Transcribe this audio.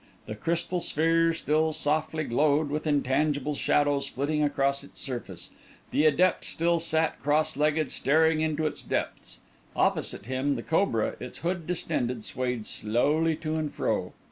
The crystal sphere still softly glowed, with intangible shadows flitting across its surface; the adept still sat cross legged staring into its depths; opposite him, the cobra, its hood distended, swayed slowly to and fro.